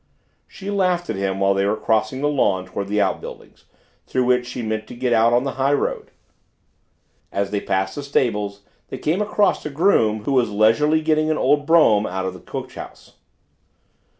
She laughed at him while they were crossing the lawn towards the out buildings, through which she meant to get out on to the high road. As they passed the stables they came across a groom who was leisurely getting an old brougham out of the coach house.